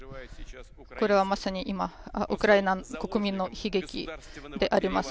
これはまさに今ウクライナ国民の悲劇であります。